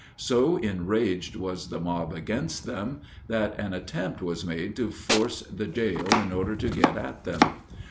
So enraged was the mob against them, that an attempt was made to force the jail in order to get at them.